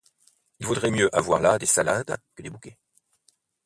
Il vaudrait mieux avoir là des salades que des bouquets.